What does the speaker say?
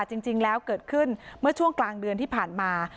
จริงแล้วเกิดขึ้นเมื่อช่วงกลางเดือนที่ผ่านมา